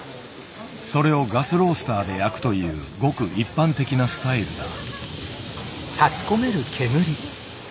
それをガスロースターで焼くというごく一般的なスタイルだ。